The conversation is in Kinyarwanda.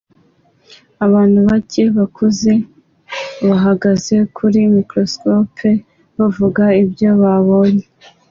Abantu bake bakuze bahagaze kuri microscope bavuga ibyo babonye